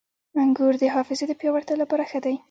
• انګور د حافظې د پیاوړتیا لپاره ښه دي.